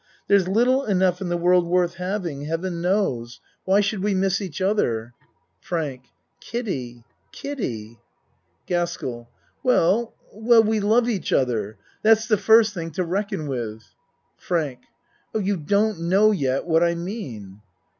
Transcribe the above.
There's little enough in the world worth having, heaven knows. no A MAN'S WORLD Why should we miss each other? FRANK Kiddie Kiddie. GASKELL Well well we love each other. That's the first thing to reckon with. FRANK Oh, you don't know yet what I mean.